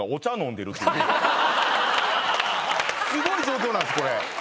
すごい状況なんです。